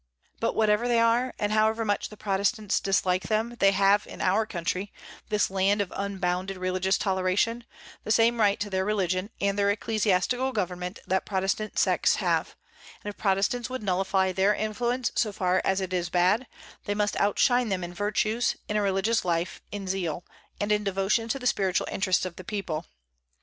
But whatever they are, and however much the Protestants dislike them, they have in our country, this land of unbounded religious toleration, the same right to their religion and their ecclesiastical government that Protestant sects have; and if Protestants would nullify their influence so far as it is bad, they must outshine them in virtues, in a religious life, in zeal, and in devotion to the spiritual interests of the people.